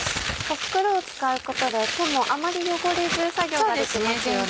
袋を使うことで手もあまり汚れず作業ができますよね。